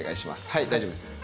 はい大丈夫です。